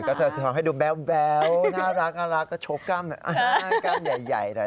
ก็ทำให้ดูแบ๊วแล้วน่ารักแล้วก็โชกก้ำใหญ่นะคะ